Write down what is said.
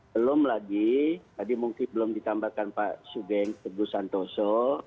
belum lagi tadi mungkin belum ditambahkan pak sugeng teguh santoso